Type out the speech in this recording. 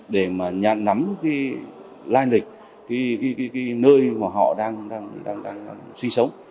để mà nhận nắm cái lai lịch cái nơi mà họ đang sinh sống